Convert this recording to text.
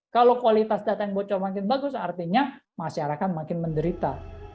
kalau kualitas data yang bocor makin bagus artinya masyarakat makin menderita